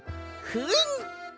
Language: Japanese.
ふん！